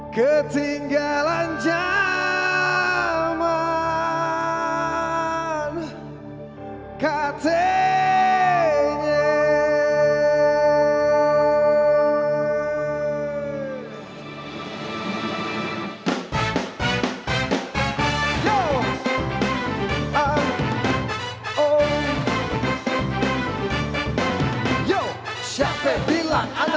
ketinggalan zaman katanya